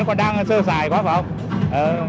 còn đang sơ sài quá phải không